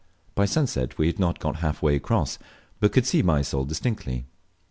By sunset we had not got halfway across, but could see Mysol distinctly.